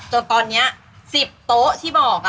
จนตอนนี้๑๐โต๊ะที่บอก